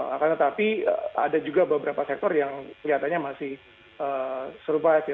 akan tetapi ada juga beberapa sektor yang kelihatannya masih survive